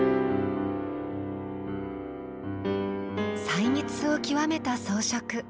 細密を極めた装飾。